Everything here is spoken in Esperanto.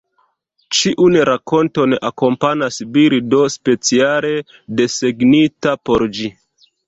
Ĉiun rakonton akompanas bildo speciale desegnita por ĝi.